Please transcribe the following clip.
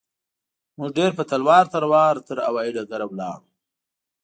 موږ ډېر په تلوار تلوار تر هوايي ډګره ولاړو.